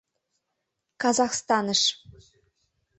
Казахстаныш.